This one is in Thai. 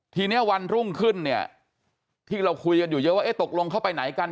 ทีนี้วันรุ่งขึ้นเนี่ยที่เราคุยกันอยู่เยอะว่าเอ๊ะตกลงเขาไปไหนกัน